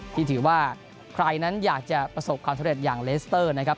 ที่ถือว่าใครนั้นอยากจะประสบความสำเร็จอย่างเลสเตอร์นะครับ